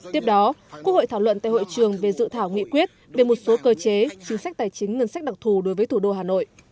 tiếp đó quốc hội thảo luận tại hội trường về dự thảo nghị quyết về một số cơ chế chính sách tài chính ngân sách đặc thù đối với thủ đô hà nội